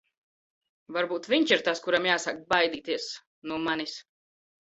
Varbūt viņš ir tas, kuram jāsāk baidīties... no manis.